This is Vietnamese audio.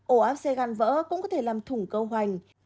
ố áp xe gan vỡ cũng có thể làm thủng cơ hoành